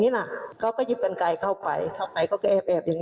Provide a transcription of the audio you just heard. นี้น่ะเขาก็ยิบกันไก่เข้าไปเข้าไปก็ก็แอบแอบอย่าง